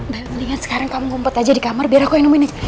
bel mendingan sekarang kamu kumpet aja di kamar biar aku yang ngomongin aja